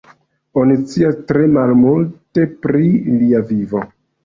Oni scias tre malmulte pri lia vivo.